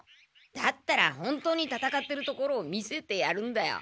だったら本当にたたかってるところを見せてやるんだよ。